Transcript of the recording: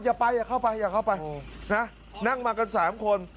อย่าไปอย่าเข้าไปอย่าเข้าไปนะนั่งมากัน๓คน